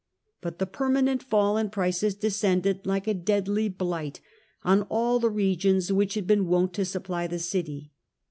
But the permanent fall in prices descended like a deadly blight on all the regions which had been wont to supply the city.